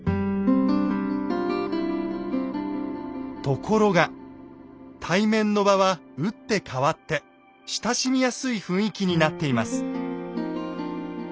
ところが対面の場は打って変わって親しみやすい雰囲気になっています。